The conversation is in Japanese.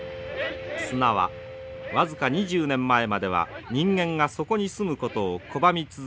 砂は僅か２０年前までは人間がそこに住むことを拒み続けてきました。